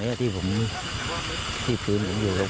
และไอฝั่งไว้ที่พื้นมันอยู่